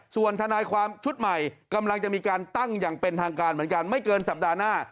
ส่วนทนายความชุดใหม่กำลังจะมีการตั้งอย่างเป็นทางการเหมือนกันไม่เกินสัปดาห์หน้า